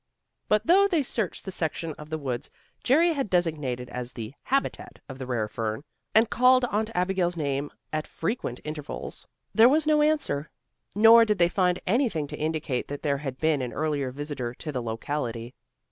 But though they searched the section of the woods Jerry had designated as the habitat of the rare fern, and called Aunt Abigail's name at frequent intervals, there was no answer, nor did they find anything to indicate that there had been an earlier visitor to the locality.